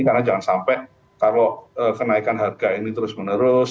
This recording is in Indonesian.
karena jangan sampai kalau kenaikan harga ini terus menerus